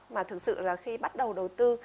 mà thực sự là khi bắt đầu đầu tư